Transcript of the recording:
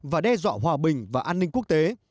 và đe dọa hòa bình và an ninh quốc tế